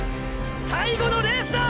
最後のレースだ！！